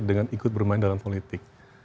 dengan ikut bermain dalam politik